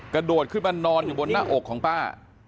กระโดดขึ้นมานอนอยู่บนหน้าอกของป้า